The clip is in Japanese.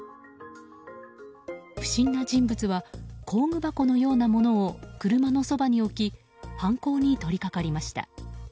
不審な人物は工具箱のようなものを車のそばに置き犯行に取り掛かりました。